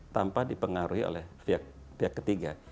tanpa dipengaruhi oleh pihak ketiga